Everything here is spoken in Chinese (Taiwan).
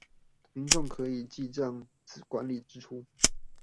民眾可以記帳管理支出